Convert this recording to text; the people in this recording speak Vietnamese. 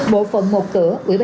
bộ phận một cửa